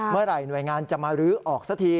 เมื่อไหร่หน่วยงานจะมารื้อออกซะที